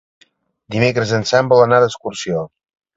Dimecres en Sam vol anar d'excursió.